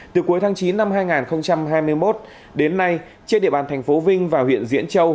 từ cuối tháng chín năm hai nghìn hai mươi một đến nay trên địa bàn thành phố vinh và huyện diễn châu